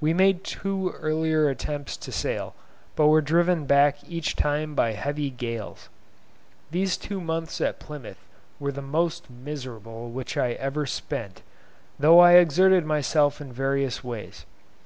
We made two earlier attempts to sail, but were driven back each time by heavy gales. These two months at Plymouth were the most miserable which I ever spent, though I exerted myself in various ways.